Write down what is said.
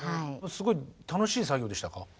すごい楽しい作業でしたか？